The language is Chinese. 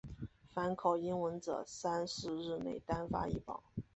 凡考英文者三四日内单发一榜。